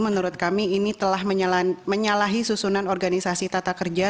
menurut kami ini telah menyalahi susunan organisasi tata kerja